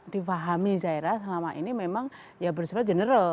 difahami zaira selama ini memang ya bersifat general